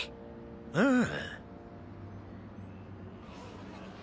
ああ。